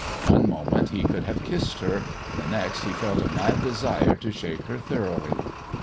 One moment he could have kissed ber, the next he felt a mad desire to shake her thorongbly.